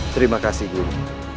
terima kasih guru